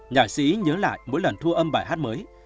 nhạc sĩ nhớ lại mỗi lần thu âm bài hát mới